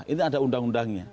ini ada undang undangnya